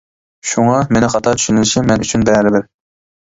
شۇڭا، مېنىڭ خاتا چۈشىنىلىشىم مەن ئۈچۈن بەرىبىر.